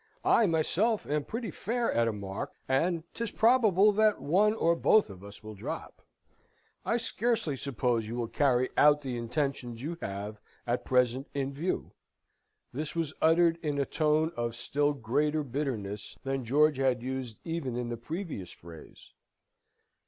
I, myself, am pretty fair at a mark, and 'tis probable that one or both of us will drop. 'I scarcely suppose you will carry out the intentions you have at present in view.'" This was uttered in a tone of still greater bitterness than George had used even in the previous phrase.